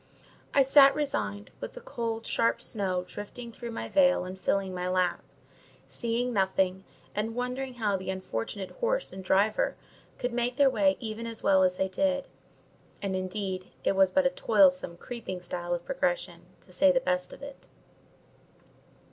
I sat resigned, with the cold, sharp snow drifting through my veil and filling my lap, seeing nothing, and wondering how the unfortunate horse and driver could make their way even as well as they did; and indeed it was but a toilsome, creeping style of progression, to say the best of it.